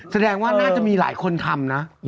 แสดงว่าน่าจะมีหลายคนทำนะ